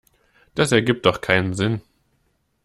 Das ergibt doch keinen Sinn.